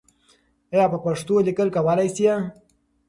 آیا په پښتو لیکل کولای سې؟